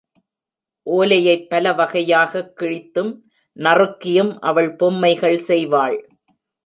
ஓலையைப் பலவகையாகக் கிழித்தும், நறுக்கியும் அவள் பொம்மைகள் செய்வாள்.